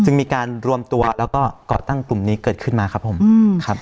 มีการรวมตัวแล้วก็ก่อตั้งกลุ่มนี้เกิดขึ้นมาครับผมครับ